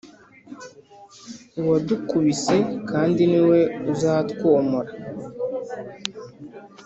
Uwadukubise kandi Ni we uzatwomora